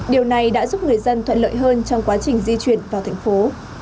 điều này đã giúp người dân thuận lợi hơn trong quá trình di chuyển vào thành phố